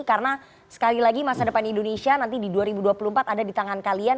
karena sekali lagi masa depan indonesia nanti di dua ribu dua puluh empat ada di tangan kalian